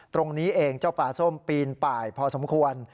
ตรงนี้เองเจ้าปลาส้มปีนป่ายพอสมควร